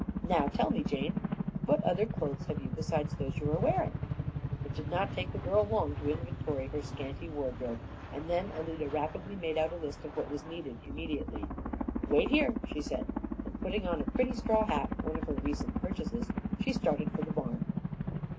Now tell me, Jane, what other clothes have you besides those you are wearing?" It did not take the girl long to inventory her scanty wardrobe, and then Alida rapidly made out a list of what was needed immediately. "Wait here," she said, and putting on a pretty straw hat, one of her recent purchases, she started for the barn.